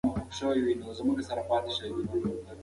شعري موضوعات د وخت په تېرېدو بدلون مومي.